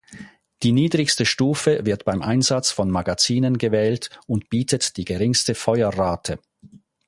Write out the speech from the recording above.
Die niedrigste Stufe wird beim Einsatz von Magazinen gewählt und bietet die geringste Feuerrate.